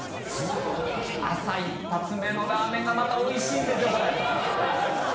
朝１発目のラーメンがまたおいしいんですよこれ。